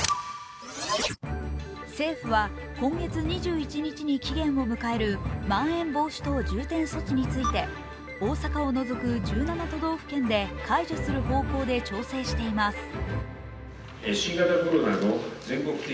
政府は今月２１日に期限を向けるまん延防止等重点措置について大阪を除く１７都道府県で解除する方向で調整しています。